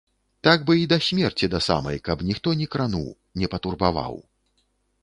Так бы й да смерці да самай, каб ніхто не крануў, не патурбаваў.